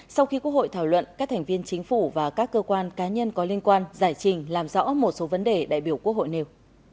sau khi quốc hội thảo luận các thành viên chính phủ và các cơ quan cá nhân có liên quan giải trình làm rõ một số vấn đề đại biểu quốc hội nêu